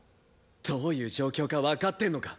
どういう状況かわかってんのか？